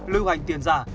lưu hành tiền giả